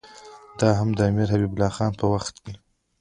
دا هم د امیر حبیب الله خان په وخت کې.